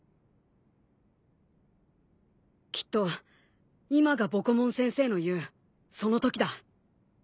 きっと今がボコモン先生の言う「その時」だ。